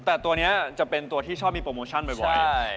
แต่ตัวนี้จะเป็นตัวที่ชอบมีโปรโมชั่นบ่อย